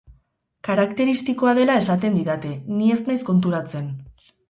Karakteristikoa dela esaten didate, ni ez naiz konturatzen.